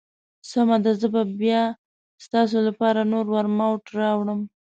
سمه ده، زه به بیا ستاسو لپاره نور ورماوټ راوړم.